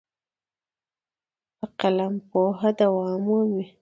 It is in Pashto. په قلم پوهه دوام مومي.